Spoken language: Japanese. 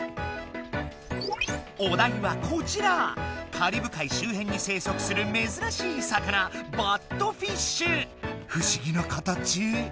カリブ海周辺に生息するめずらしい魚ふしぎな形。